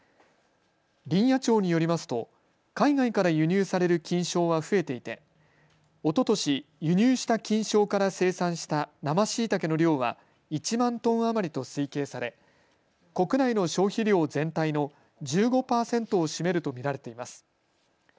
林野庁によりますと海外から輸入される菌床は増えていておととし輸入した菌床から生産した生しいたけの量は１万トン余りと推計され、国内の消費量全体の１５％を占めると見られています。